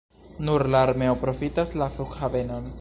Nur la armeo profitas la flughavenon.